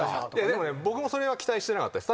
でもね僕もそれは期待してなかったです。